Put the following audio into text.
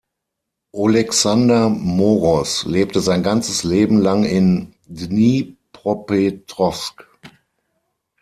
Olexander Moros lebte sein ganzes Leben lang in Dnipropetrowsk.